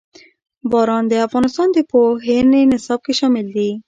باران د افغانستان د پوهنې نصاب کې شامل دي.